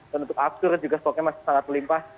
dan untuk aktur juga stoknya masih sangat melimpah